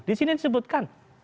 di sini disebutkan